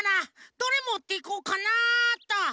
どれもっていこうかなっと。